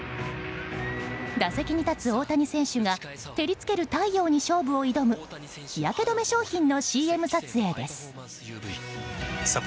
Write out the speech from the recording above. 打席に立つ大谷選手が照りつける太陽に勝負を挑む日焼け止め商品のＣＭ撮影です。